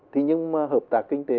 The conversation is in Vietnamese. thì nhưng mà hợp tác kinh tế